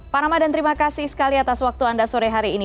pak ramadan terima kasih sekali atas waktu anda sore hari ini